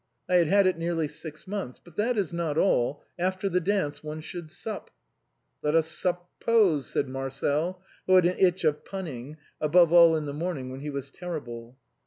I had had it nearly six months. But that is not all, after the dance one should sup." " Let us sup pose," said Marcel, who had an itch of punning, above all in the morning, when he was terrible.